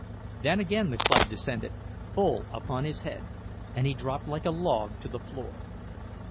Then again the club descended, full upon his head, and he dropped like a log to the floor.